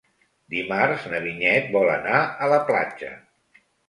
Dimarts na Vinyet vol anar a la platja.